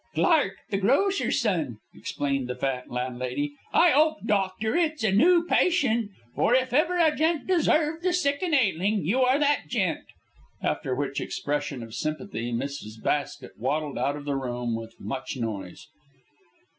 "Clark, the grocer's son," explained the fat landlady. "I 'ope, doctor, it's a noo patient, for if ever a gent deserved the sick and ailing, you are that gent," after which expression of sympathy Mrs. Basket waddled out of the room with much noise.